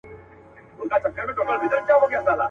موږ د ده په تماشا یو شپه مو سپینه په خندا سي.